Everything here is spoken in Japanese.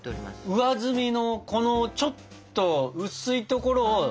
上澄みのこのちょっと薄いところを。